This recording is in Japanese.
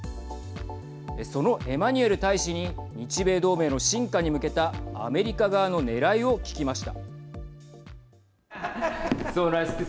そのエマニュエル大使に日米同盟の深化に向けたアメリカ側のねらいを聞きました。